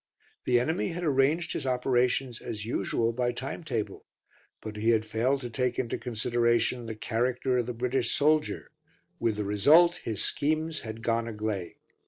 The enemy had arranged his operations, as usual, by timetable, but he had failed to take into consideration the character of the British soldier, with the result his schemes had "gone agley."